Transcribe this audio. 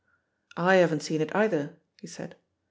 "Z haven't seen it, either," he said.